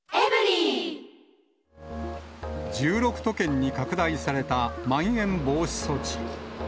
１６都県に拡大された、まん延防止措置。